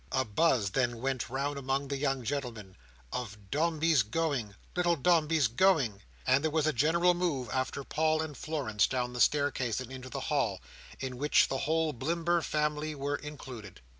A buzz then went round among the young gentlemen, of "Dombey's going!" "Little Dombey's going!" and there was a general move after Paul and Florence down the staircase and into the hall, in which the whole Blimber family were included.